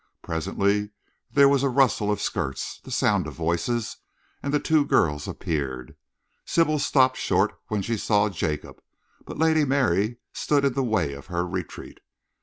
Presently there was a rustle of skirts, the sound of voices, and the two girls appeared. Sybil stopped short when she saw Jacob, but Lady Mary stood in the way of her retreat.